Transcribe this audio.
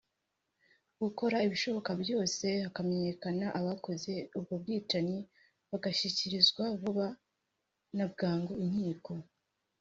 gukora ibishoboka byose hakamenyekana abakoze ubwo bwicanyi bagashyikirizwa vuba na bwangu inkiko